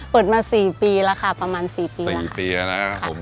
เปิดมาสี่ปีแล้วค่ะประมาณ๔ปี๔ปีแล้วนะครับผม